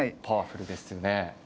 パワフルですよね。